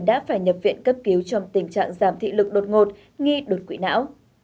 đã phải nhập viện cấp cứu trong tình trạng giảm thị lực đột ngột nghi đột quỵ não